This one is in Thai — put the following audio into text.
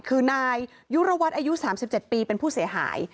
คือนายยุรวัตรอายุ๓๗ปีเป็นผู้เสียหาย